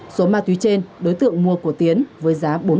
số ma túy trên đối tượng mua của tiến với giá bốn triệu đồng